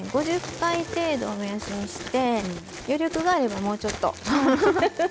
５０回程度を目安にして余力があればもうちょっと。